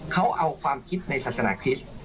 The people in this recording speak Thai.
เขาเอาความคิดในศาสนาคริสต์